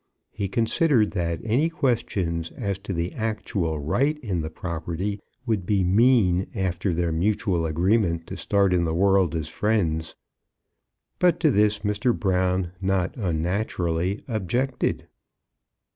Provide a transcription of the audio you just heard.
He considered that any questions as to the actual right in the property would be mean after their mutual agreement to start in the world as friends. But to this Mr. Brown, not unnaturally, objected.